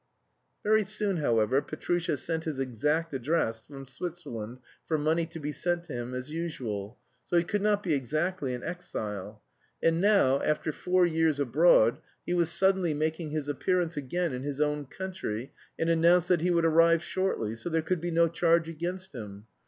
Very soon, however, Petrusha sent his exact address from Switzerland for money to be sent him as usual; so he could not be exactly an exile. And now, after four years abroad, he was suddenly making his appearance again in his own country, and announced that he would arrive shortly, so there could be no charge against him.